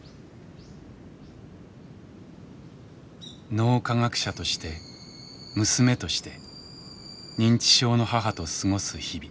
脳科学者として娘として認知症の母と過ごす日々。